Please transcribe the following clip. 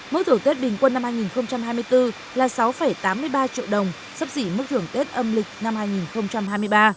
mức thưởng tết bình quân năm hai nghìn hai mươi bốn là sáu tám mươi ba triệu đồng sắp xỉ mức thưởng tết âm lịch năm hai nghìn hai mươi ba